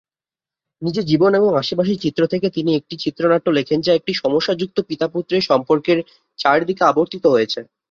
নিজের জীবন এবং আশেপাশের চিত্র থেকে তিনি একটি চিত্রনাট্য লেখেন যা একটি সমস্যাযুক্ত পিতা-পুত্রের সম্পর্কের চারদিকে আবর্তিত হয়েছে।